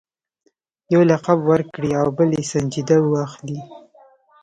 یو لقب ورکړي او بل یې سنجیده واخلي.